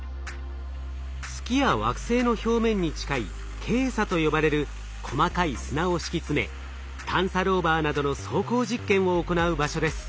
月や惑星の表面に近いケイ砂と呼ばれる細かい砂を敷き詰め探査ローバーなどの走行実験を行う場所です。